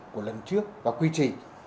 của lần trước và quy trì